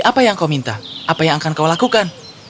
apa yang kau minta apa yang akan kau lakukan